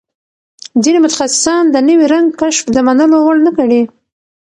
ځینې متخصصان د نوي رنګ کشف د منلو وړ نه ګڼي.